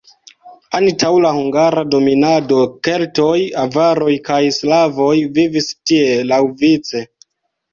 Antaŭ la hungara dominado keltoj, avaroj kaj slavoj vivis tie laŭvice.